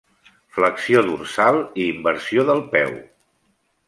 Flexió dorsal i inversió del peu.